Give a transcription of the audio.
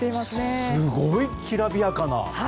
すごい、きらびやかな。